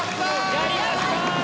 やりました！